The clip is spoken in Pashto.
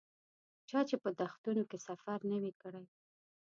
چا چې په دښتونو کې سفر نه وي کړی.